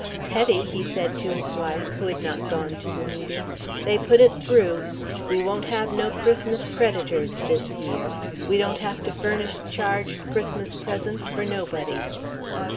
"Hetty," he said to his wife, who had not gone to the meeting, "they put it through. We won't have no Christmas creditors this year. We don't have to furnish charged Christmas presents for nobody."